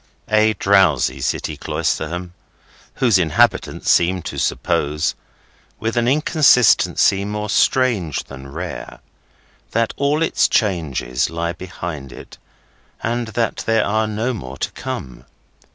A drowsy city, Cloisterham, whose inhabitants seem to suppose, with an inconsistency more strange than rare, that all its changes lie behind it, and that there are no more to come.